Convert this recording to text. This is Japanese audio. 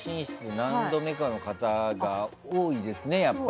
何度目かの方が多いですね、やっぱり。